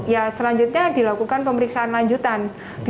ya selanjutnya dilakukan pemeriksaan lanjutan